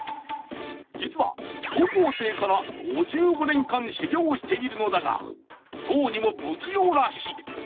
実は、高校生から５５年間修行をしているのだがどうにも不器用らしい。